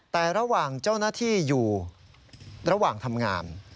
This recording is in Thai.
แต่ระหว่างเจ้าหน้าที่อยู่ระหว่างทำงาน